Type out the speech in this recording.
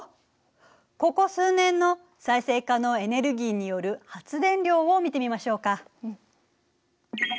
ここ数年の再生可能エネルギーによる発電量を見てみましょうか。